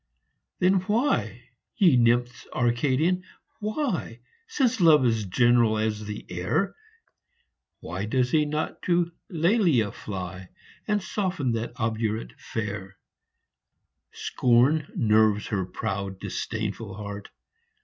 THE DREAM OF LOVE. 71 Then why, ye nymphs Arcadian, why Since Love is general as the air Why does he not to Lelia fly, And soften that obdurate fair? Scorn nerves her proud, disdainful heart